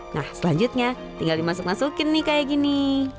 nah selanjutnya tinggal dimasuk masukin nih kayak gini